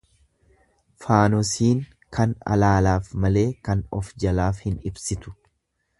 Faanosiin kan alaalaaf malee kan of jalaaf hin ibsitu.